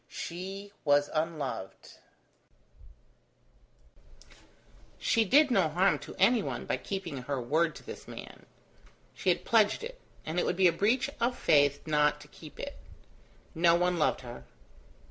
She was unloved: she did no harm to any one by keeping her word to this man; she had pledged it, and it would be a breach of faith not to keep it. No one loved her.